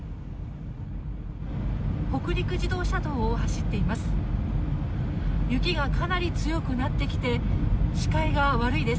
北陸自動車道を走っています。